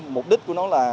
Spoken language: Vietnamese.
mục đích của nó là